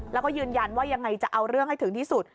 แล้วก็ยืนยันว่ายังไงจะเอาเรื่องให้ถึงที่สุด